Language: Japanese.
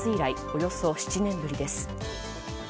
およそ７年ぶりです。